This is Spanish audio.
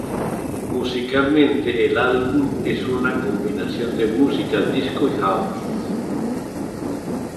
Musicalmente, el álbum es una combinación de música disco y "house".